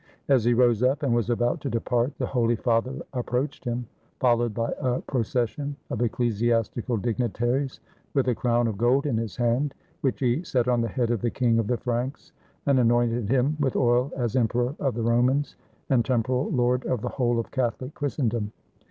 As he rose up, and was about to depart, the Holy Father approached him, followed by a procession of ecclesiastical dignitaries, with a crown of gold in his hand, which he set on the head of the King of the Franks, and anointed him with oil as Emperor of the Romans, and temporal lord of the whole of Catho lic Christendom.